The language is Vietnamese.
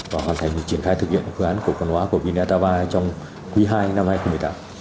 và hoàn thành việc triển khai thực hiện phương án cổ phần hóa của vinataba trong quý ii năm hai nghìn một mươi tám